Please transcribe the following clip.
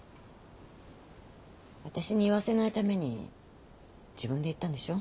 私に言わせないために自分で言ったんでしょ？